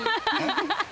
ハハハハ！